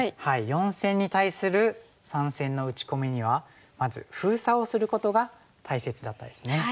４線に対する３線の打ち込みにはまず封鎖をすることが大切だったですね。